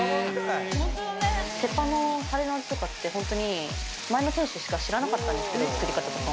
鉄板のタレの味とかって前の店主しか知らなかったんです、作り方とか。